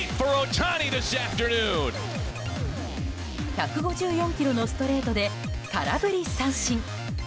１５４キロのストレートで空振り三振。